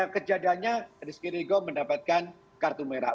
kejadiannya rizky rigo mendapatkan kartu merah